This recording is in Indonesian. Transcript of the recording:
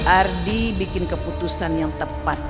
ardi bikin keputusan yang tepat